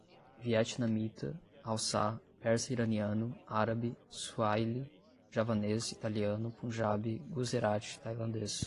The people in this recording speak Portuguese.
Vietnamita, hauçá, persa iraniano, árabe, suaíli, javanês, italiano, punjabi, guzerate, tailandês